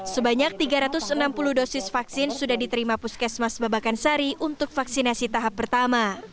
sebanyak tiga ratus enam puluh dosis vaksin sudah diterima puskesmas babakan sari untuk vaksinasi tahap pertama